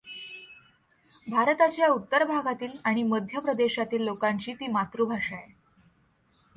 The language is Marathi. भारताच्या उत्तर भागातील आणि मध्य प्रदेशातील लोकांची ती मातृभाषा आहे.